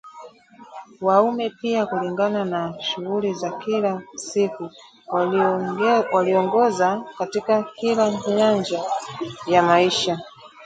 Wanaume pia, kulingana na shughuli za kila siku waliongoza katika kila nyanja ya maisha